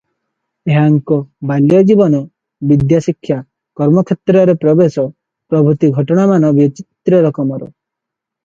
ଏହାଙ୍କ ବାଲ୍ୟଜୀବନ, ବିଦ୍ୟାଶିକ୍ଷା, କର୍ମକ୍ଷେତ୍ରରେ ପ୍ରବେଶ ପ୍ରଭୁତି ଘଟଣାମାନ ବିଚିତ୍ର ରକମର ।